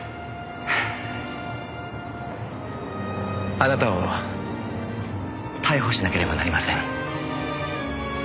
あなたを逮捕しなければなりません。